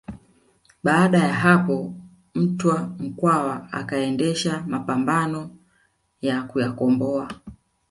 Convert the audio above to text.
Baada ya hapo Mtwa Mkwawa akaendesha mapambano ya kuyakomboa